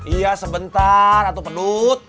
iya sebentar atu pedut